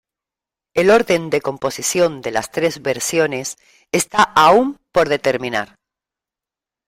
El orden de composición de las tres versiones está aún por determinar.